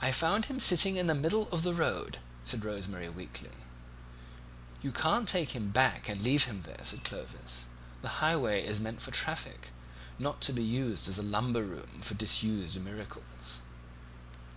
"I found him sitting in the middle of the road," said Rose Marie weakly. "You can't take him back and leave him there," said Clovis; "the highway is meant for traffic, not to be used as a lumber room for disused miracles."